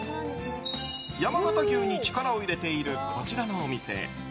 山形牛に力を入れているこちらのお店。